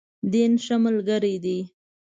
دین، ښه ملګری دی.